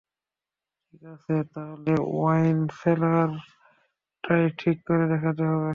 ঠিক আছে, তাহলে ওয়াইন সেলারটাই ঠিক করে দেখতে হবে।